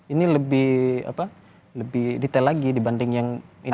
ini lebih detail lagi dibanding yang ini